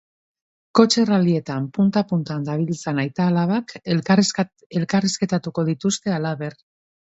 Kotxe rallyetan punta-puntan dabiltzan aita-alabak elkarrizketatuko dituzte halaber.